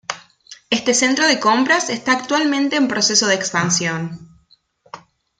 Este centro de compras está actualmente en proceso de expansión.